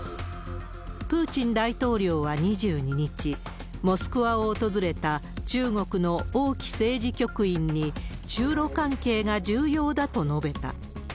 プーチン大統領は２２日、モスクワを訪れた中国の王毅政治局員に、中ロ関係が重要だと述べた。